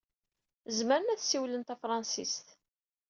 Zemren ad ssiwlen tafṛensist.